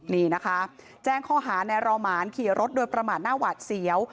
นี่นะคะแจ้งข้อหาในรอหมานขี่รถโดยประมาทหน้าหวาดเสียว